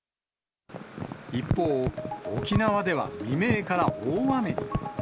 一方、沖縄では未明から大雨に。